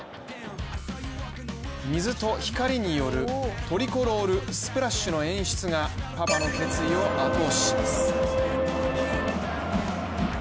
水と光によるトリコロールスプラッシュの演出がパパの決意を後押しします。